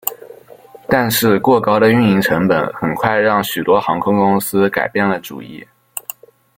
但是过高的运营成本很快让许多航空公司改变了主意。